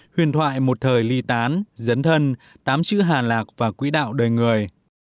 huyền thoại một thời ly tán dấn thân tám chữ hà lạc và quỹ đạo đời người